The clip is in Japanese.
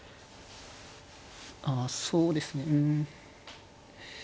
あそうですね。